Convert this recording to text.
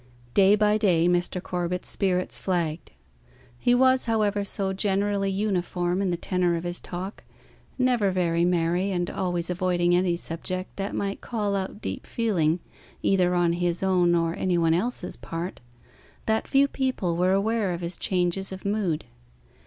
Day by day Mr. Corbet's spirits flagged. He was, however, so generally uniform in the tenor of his talk never very merry, and always avoiding any subject that might call out deep feeling either on his own or any one else's part, that few people were aware of his changes of mood.